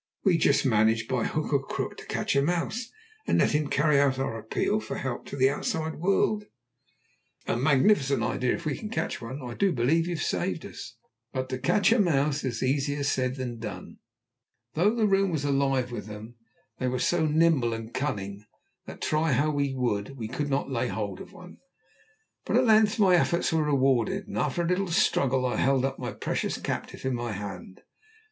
"We must manage by hook or crook to catch a mouse and let him carry our appeal for help to the outside world." "A magnificent idea! If we can catch one I do believe you've saved us!" But to catch a mouse was easier said than done. Though the room was alive with them they were so nimble and so cunning, that, try how we would, we could not lay hold of one. But at length my efforts were rewarded, and after a little struggle I held my precious captive in my hand.